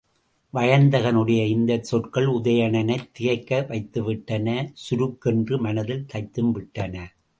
வயந்தகனுடைய இந்தச் சொற்கள் உதயணனைத் திகைக்க வைத்துவிட்டன சுருக்கென்று மனத்தில் தைத்தும் விட்டன.